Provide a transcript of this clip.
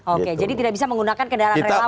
oke jadi tidak bisa menggunakan kendaraan relawan